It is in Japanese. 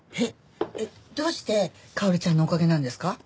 えっどうして薫ちゃんのおかげなんですか？